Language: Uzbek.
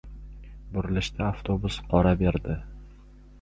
Burilishda avtobus qora berdi.